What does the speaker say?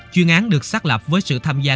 chuyên án được xác lập với sự tham gia